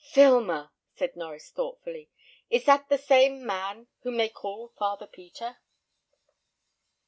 "Filmer!" said Norries, thoughtfully; "is that the same man whom they called Father Peter?"